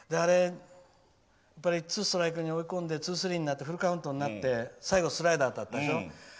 ツーストライクに追い込んでツースリーになってフルカウントになって最後、スライダーだったでしょ。